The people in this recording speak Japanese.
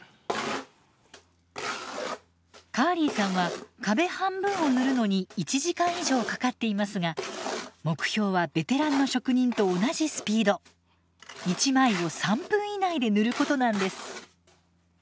カーリーさんは壁半分を塗るのに１時間以上かかっていますが目標はベテランの職人と同じスピード１枚を３分以内で塗ることなんです。